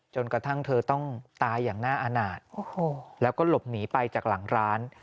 จนกระทั่งเธอต้องตายอย่างน่าอาณาจแล้วก็หลบหนีไปจากหลังร้าน